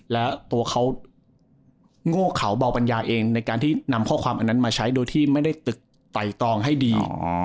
แล้วตัวเขาโง่เขาเบาปัญญาเองในการที่นำข้อความอันนั้นมาใช้โดยที่ไม่ได้ตึกไต่ตองให้ดี